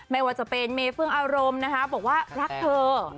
ไม่ว่าจะเป็นเมเฟื่องอารมณ์นะคะบอกว่ารักเธอ